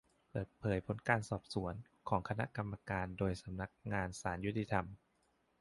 เปิดเผยผลการสอบสวน ของคณะกรรมการโดยสำนักงานศาลยุติธรรม